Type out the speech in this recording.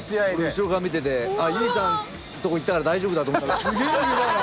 後ろから見てて佑二さんとこ行ったから大丈夫だと思ったらすげえ。